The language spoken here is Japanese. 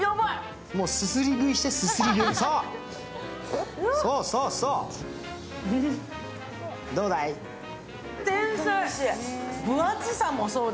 もうすすり食いして、すすり食い、そうそうそう！